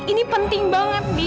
ini penting banget bi